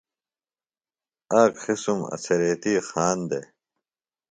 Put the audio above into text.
آک قِسم اڅھریتی خان دےۡ